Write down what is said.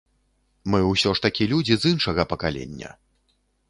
Мы ўсё ж такі людзі з іншага пакалення.